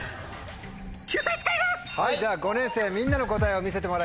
では５年生みんなの答えを見せてもらいましょう。